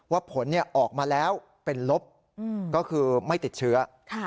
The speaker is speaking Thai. ผลออกมาแล้วเป็นลบก็คือไม่ติดเชื้อ